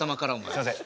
すいません。